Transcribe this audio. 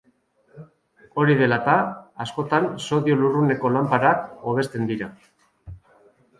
Hori dela-eta, askotan sodio-lurruneko lanparak hobesten dira.